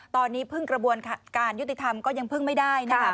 ตอนนี้พึ่งกระบวนการยุติธรรมก็ยังพึ่งไม่ได้นะคะ